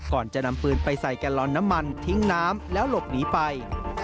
ก่อนจะนำปืนไปใส่แกลลอนน้ำมันทิ้งน้ำแล้วหลบหนีไป